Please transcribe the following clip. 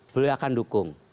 beliau akan dukung